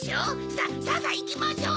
さぁさぁいきましょう！